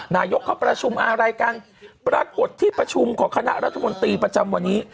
นายกเขาประชุมอะไรกันปรากฏที่ประชุมของคณะรัฐมนตรีประจำวันนี้